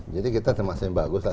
jadi kita termasuk yang bagus lah